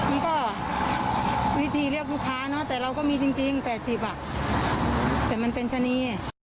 มันก็วิธีเรียกลูกค้าเนอะแต่เราก็มีจริง๘๐แต่มันเป็นชะนี